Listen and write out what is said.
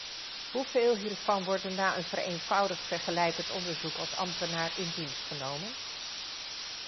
Hoeveel hiervan worden na een vereenvoudigd vergelijkend onderzoek als ambtenaar in dienst genomen?